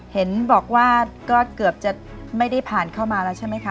เห็นบอกว่าก็เกือบจะไม่ได้ผ่านเข้ามาแล้วใช่ไหมคะ